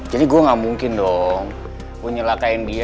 jadi gua ga mungkin dong gua nyalahkain dia